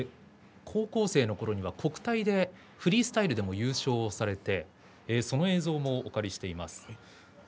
高校生のときは国体でフリースタイルで優勝してその映像もお借りしています。